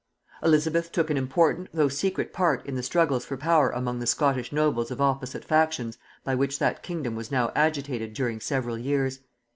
Elizabeth took an important though secret part in the struggles for power among the Scottish nobles of opposite factions by which that kingdom was now agitated during several years.